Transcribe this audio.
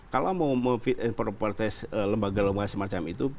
kalau mau mempertes lembaga lembaga semacam itu